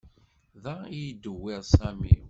Da i yeddewwir Sami.